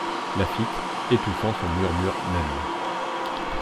Laffitte, étouffant son murmure même.